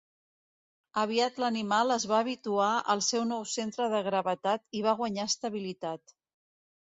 Aviat l'animal es va habituar al seu nou centre de gravetat i va guanyar estabilitat.